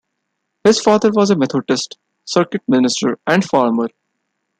His father was a Methodist circuit minister and farmer.